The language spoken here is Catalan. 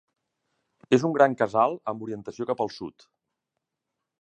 És un gran casal amb orientació cap al sud.